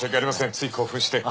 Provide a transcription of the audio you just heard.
つい興奮して。